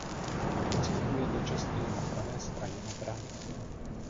Nastupuje nejčastěji na pravé straně obrany.